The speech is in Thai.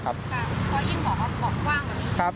เพราะยิ่งบอกว่ากว้างกว่านี้